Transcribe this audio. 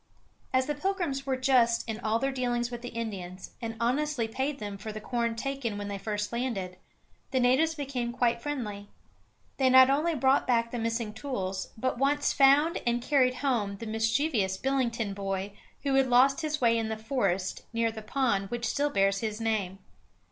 As the Pilgrims were just in all their dealings with the Indians, and honestly paid them for the corn taken when they first landed, the natives became quite friendly. They not only brought back the missing tools, but once found and carried home the mischievous Billington boy, who had lost his way in the forest, near the pond which still bears his name.